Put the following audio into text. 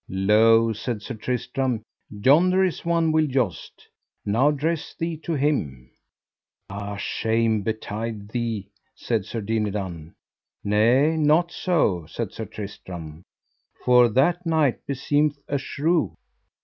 Lo, said Sir Tristram, yonder is one will joust; now dress thee to him. Ah, shame betide thee, said Sir Dinadan. Nay, not so, said Tristram, for that knight beseemeth a shrew.